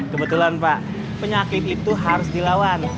kebetulan pak penyakit itu harus dilawan